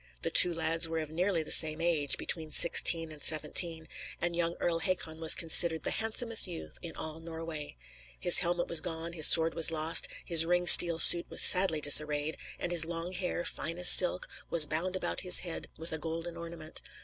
The two lads were of nearly the same age between sixteen and seventeen and young Earl Hakon was considered the handsomest youth in all Norway. His helmet was gone, his sword was lost, his ring steel suit was sadly disarranged, and his long hair, "fine as silk," was "bound about his head with a gold ornament."